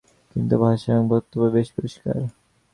কিন্তু ভাষা এবং বক্তব্য বেশ পরিষ্কার।